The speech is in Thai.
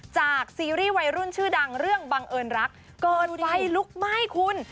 ซีรีส์วัยรุ่นชื่อดังเรื่องบังเอิญรักเกิดไฟลุกไหม้คุณ